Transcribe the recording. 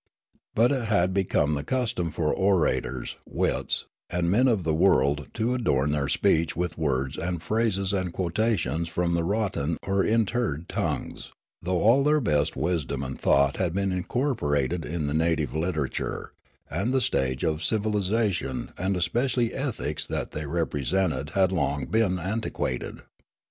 But it had become the custom for orators, wits, and men of the world to adorn their speech with words and phrases and quotations from the rotten or interred tongues, though all their best wisdom and thought had been incorporated in the native literature, and the stage of civilisation and especially ethics that they represented had long been antiquated.